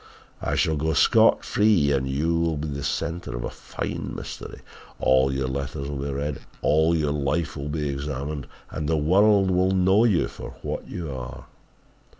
I shall go scot free and you will be the centre of a fine mystery! All your letters will be read, all your life will be examined and the world will know you for what you are!'